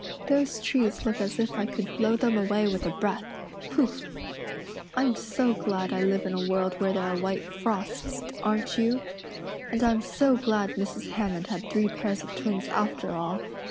Those trees look as if I could blow them away with a breath pouf! I'm so glad I live in a world where there are white frosts, aren't you? And I'm so glad Mrs. Hammond had three pairs of twins after all.